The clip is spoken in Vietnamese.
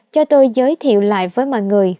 cho tôi giới thiệu lại với mọi người